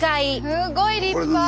すごい立派。